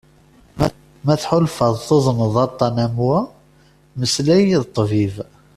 Ma tḥulfaḍ tuḍneḍ aṭan am wa, mmeslay d ṭṭbib.